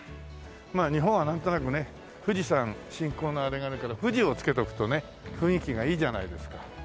まあ日本はなんとなくね富士山信仰のあれがあるから「富士」を付けておくとね雰囲気がいいじゃないですか。